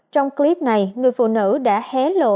trong clip này người phụ nữ đã hé lộ